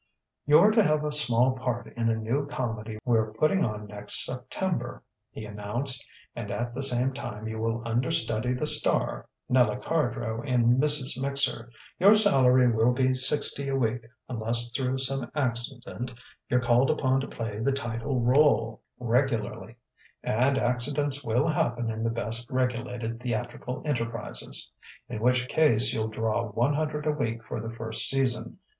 "You're to have a small part in a new comedy we're putting on next September," he announced, "and at the same time you will understudy the star Nella Cardrow in 'Mrs. Mixer.' Your salary will be sixty a week unless through some accident you're called upon to play the title rôle regularly and accidents will happen in the best regulated theatrical enterprises. In which case you'll draw one hundred a week for the first season.